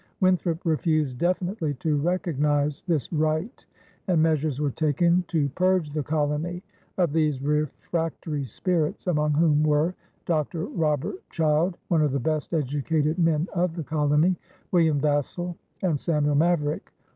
Winthrop refused definitely to recognize this right, and measures were taken to purge the colony of these refractory spirits, among whom were Dr. Robert Child, one of the best educated men of the colony, William Vassall, and Samuel Maverick.